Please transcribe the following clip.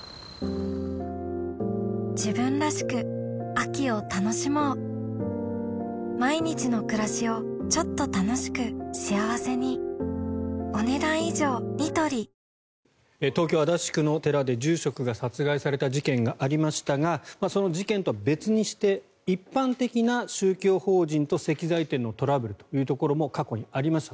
自分らしく秋を楽しもう東京・足立区の寺で住職が殺害された事件がありましたがその事件とは別にして一般的な宗教法人と石材店のトラブルというところも過去にありました。